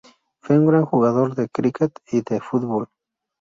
Fue un gran jugador de cricket y de football.